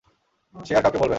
সে আর কাউকে বলবে না।